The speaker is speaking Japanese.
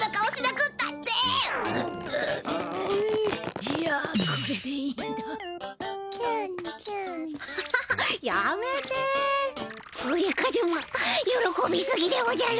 これカズマよろこびすぎでおじゃる。